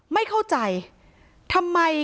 ไม่เข้าใจทำไม